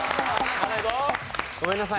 ごめんなさい。